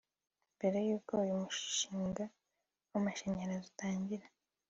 Mbere y’uko uyu mushinga w‘amashanyarazi utangira